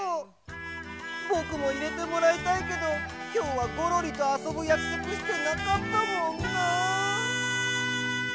ぼくもいれてもらいたいけどきょうはゴロリとあそぶやくそくしてなかったもんなあ。